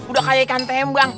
udah kayak ikan tembang